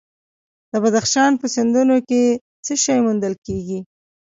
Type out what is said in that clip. د بدخشان په سیندونو کې څه شی موندل کیږي؟